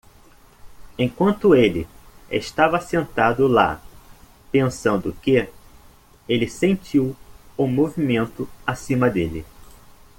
Enquanto ele estava sentado lá pensando que? ele sentiu o movimento acima dele.